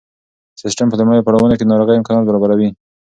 سیسټم په لومړیو پړاوونو کې د ناروغۍ امکانات برابروي.